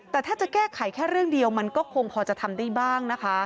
แต่ถ้าจะแก้ไขแค่เรื่องเดียวมันก็คงพอจะทำได้บ้างนะคะ